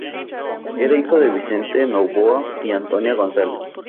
Era hijo de Vicente Novoa y Antonia González.